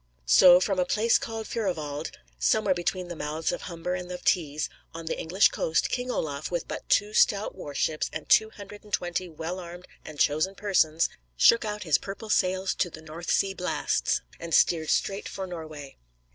So from "a place called Furovald," somewhere between the mouths of Humber and of Tees, on the English coast, King Olaf, with but two stout war ships and two hundred and twenty "well armed and chosen persons," shook out his purple sails to the North Sea blasts, and steered straight for Norway.